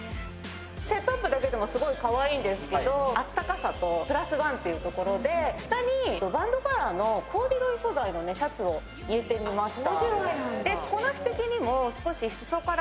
セットアップだけでも、すごいかわいいんですけど、暖かさでプラスワンということで下にバンドカラーのコーデュロイ素材のシャツを入れてみました。